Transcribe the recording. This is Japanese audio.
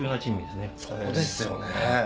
そうですよね。